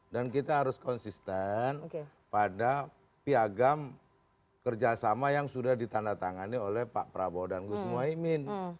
dan kita harus konsisten pada piagam kerjasama yang sudah ditandatangani oleh pak prabowo dan gus moaimin